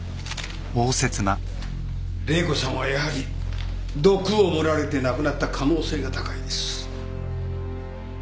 玲子さんはやはり毒を盛られて亡くなった可能性が高いです。